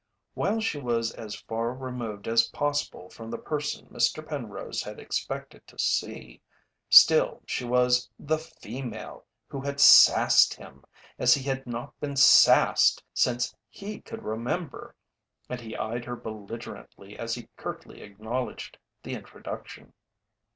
While she was as far removed as possible from the person Mr. Penrose had expected to see, still she was the "female" who had "sassed" him as he had not been "sassed" since he could remember, and he eyed her belligerently as he curtly acknowledged the introduction.